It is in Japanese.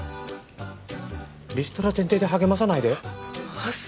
リストラ前提で励まさないで。